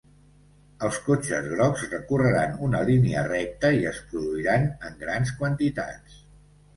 Els cotxes grocs recorreran una línia recta i es produiran en grans quantitats.